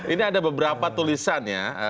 ini ada beberapa tulisannya